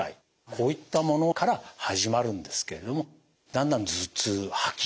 こういったものから始まるんですけれどもだんだん頭痛吐き